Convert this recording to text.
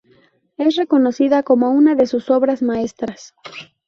Es reconocida como una de sus obras maestras.